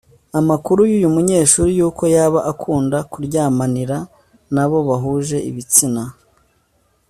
Amakuru y’uyu munyeshuri y’uko yaba akunda kuryamanira n’abo bahuje ibitsina